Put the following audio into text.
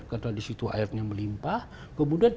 karena disitu airnya melimpah kemudian